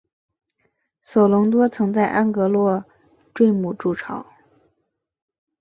索隆多曾在安戈洛坠姆筑巢。